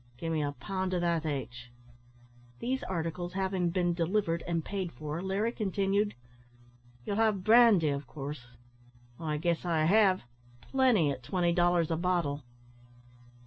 "Give me a pound o' that, aich." These articles having been delivered and paid for, Larry continued "Ye'll have brandy, av coorse?" "I guess I have; plenty at twenty dollars a bottle."